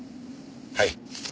はい。